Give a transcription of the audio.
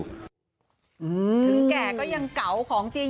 ถึงแก่ก็ยังเก่าของจริง